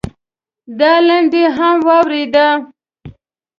دا لنډۍ هم واورېده.